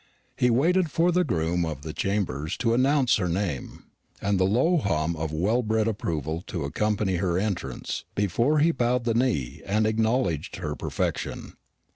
He waited for the groom of the chambers to announce her name, and the low hum of well bred approval to accompany her entrance, before he bowed the knee and acknowledged her perfection.